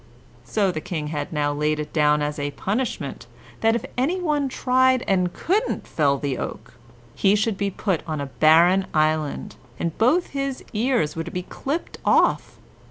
So the King had now laid it down as a punishment that if any one tried and couldn't fell the oak, he should be put on a barren island, and both his ears were to be clipped off.